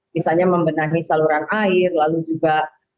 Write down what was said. misalnya membenahi saluran air lalu juga